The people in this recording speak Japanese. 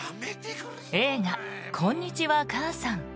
映画「こんにちは、母さん」。